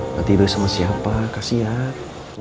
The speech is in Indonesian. nanti dia sama siapa kasihan